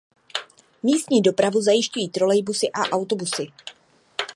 Místní dopravu zajišťují trolejbusy a autobusy.